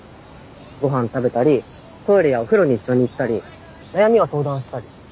ごはん食べたりトイレやお風呂に一緒に行ったり悩みを相談したり。